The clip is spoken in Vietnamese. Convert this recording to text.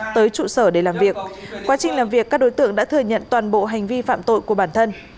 tới trụ sở để làm việc quá trình làm việc các đối tượng đã thừa nhận toàn bộ hành vi phạm tội của bản thân